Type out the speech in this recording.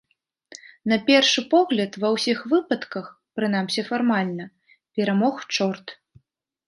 На першы погляд ва ўсіх выпадках, прынамсі фармальна, перамог чорт.